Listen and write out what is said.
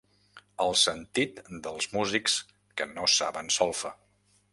El sentit dels músics que no saben solfa.